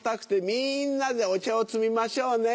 みんなでお茶を摘みましょうね。